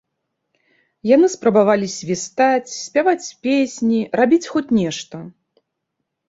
Яны спрабавалі свістаць, спяваць песні, рабіць хоць нешта.